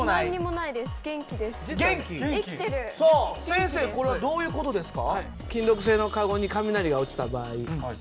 先生これはどういう事ですか？